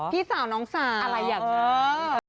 พี่สาวน้องสาอะไรอย่างนั้น